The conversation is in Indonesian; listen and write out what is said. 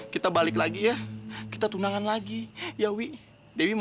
kamu tuh bukan tunangannya lagi